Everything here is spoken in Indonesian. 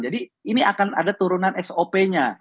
jadi ini akan ada turunan sop nya